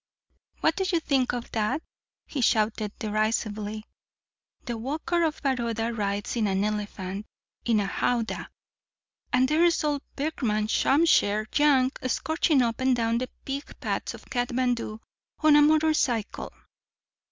"What do you think of that?" he shouted derisively. "The Gaekwar of Baroda rides in an elephant in a howdah! And there's old Bikram Shamsher Jang scorching up and down the pig paths of Khatmandu on a motor cycle.